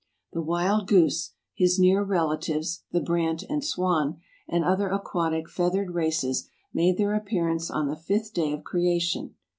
The wild goose, his near relatives, the brant and swan, and other aquatic feathered races, made their appearance on the fifth day of creation.